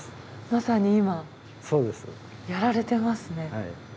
まさに今やられてますね。